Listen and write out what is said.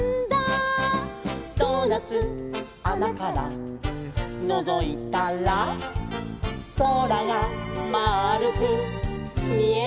「ドーナツあなからのぞいたら」「そらがまあるくみえるんだ」